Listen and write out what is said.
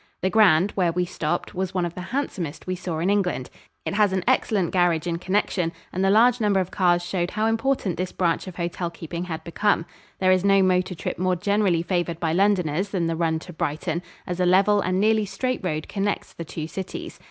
The Grand, where we stopped, was one of the handsomest we saw in England. It has an excellent garage in connection and the large number of cars showed how important this branch of hotel keeping had become. There is no motor trip more generally favored by Londoners than the run to Brighton, as a level and nearly straight road connects the two cities.